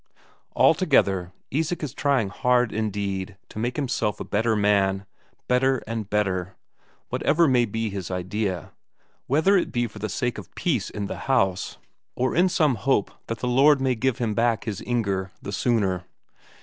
Altogether, Isak is trying hard indeed to make himself a better man, better and better, whatever may be his idea, whether it be for the sake of peace in the house, or in some hope that the Lord may give him back his Inger the sooner.